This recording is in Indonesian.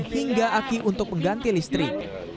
hingga aki untuk pengganti listrik